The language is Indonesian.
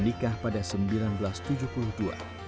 ibu prank tidak